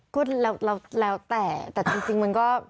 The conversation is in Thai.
ก็แล้วแต่แต่แต่จริงมันก็